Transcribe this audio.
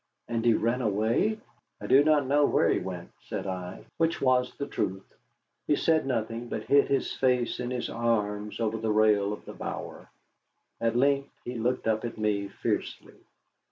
And he ran away?" "I do not know where he went," said I, which was the truth. He said nothing, but hid his face in his arms over the rail of the bower. At length he looked up at me fiercely.